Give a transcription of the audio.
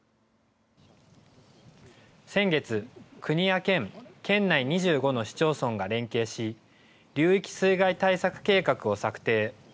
先月、国や県、県内２５の市町村が連携し、流域水害対策計画を策定。